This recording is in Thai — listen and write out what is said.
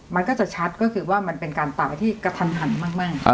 มันก็จะชัดก็คือว่ามันเป็นการตายที่กระทันหันมาก